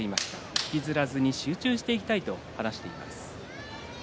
引きずらずに集中していきたいと話しています。